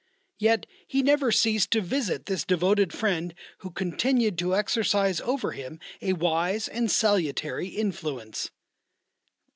Yet he never ceased to visit this devoted friend who continued to exercise over him a wise and salutary influence.